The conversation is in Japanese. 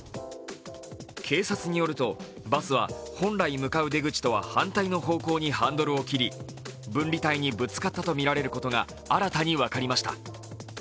警察によるとバスは本来向かう出口とは反対の方向にハンドルを切り分離帯にぶつかったとみられることが新たに分かりました。